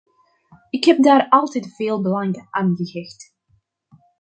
Ik heb daar altijd veel belang aan gehecht.